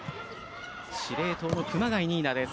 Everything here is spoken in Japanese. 司令塔の熊谷仁依奈です。